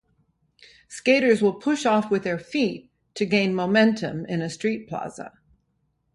Skaters will push off with their feet to gain momentum in a street plaza.